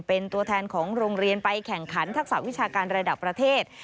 เป็นตัวแทนของโรงเรียนไปแข่งขันทักษะวิชาการระดับประเทศ